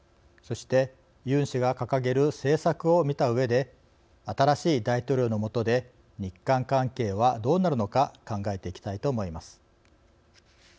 そして、ユン氏が掲げる政策を見たうえで新しい大統領の下で日韓関係はどうなるのか考えていきたいと思います。